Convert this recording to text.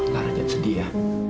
lara jangan sedih ya